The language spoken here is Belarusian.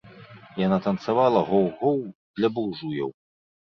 Яна танцавала гоў-гоў для буржуяў.